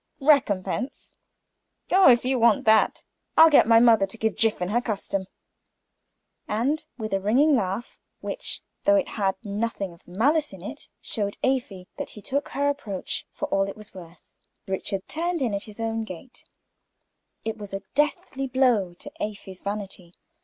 "Recompense! Oh, if you want that, I'll get my mother to give Jiffin her custom." And with a ringing laugh, which, though it had nothing of malice in it, showed Afy that he took her reproach for what it was worth, Richard turned in at his own gate. It was a deathblow to Afy's vanity.